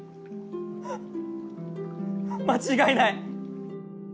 間違いない！